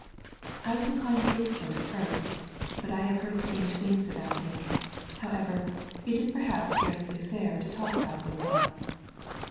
"I was inclined to think so at first, but I have heard strange things about him. However, it is perhaps scarcely fair to talk about him thus."